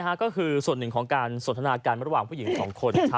ค่ะก็คือส่วนหนึ่งการสนทนาการกับผู้หญิงของคน